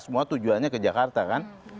semua tujuannya ke jakarta kan